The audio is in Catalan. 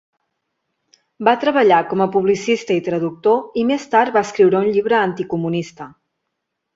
Va treballar com a publicista i traductor i més tard va escriure un llibre anticomunista.